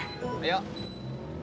nah di november lagi kali tu